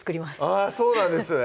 あっそうなんですね